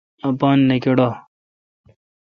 اپان نہ کڑہ۔